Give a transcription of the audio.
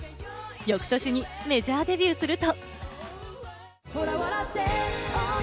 翌年にメジャーデビューすると。